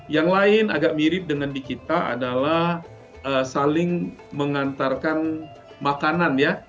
yang lain agak mirip dengan di kita adalah saling mengantarkan makanan ya